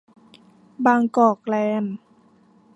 บางกอกแลนด์